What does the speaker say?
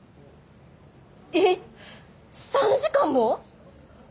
えっ３時間も！？